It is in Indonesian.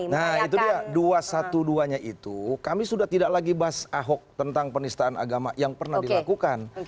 nah itu dia dua ratus dua belas nya itu kami sudah tidak lagi bahas ahok tentang penistaan agama yang pernah dilakukan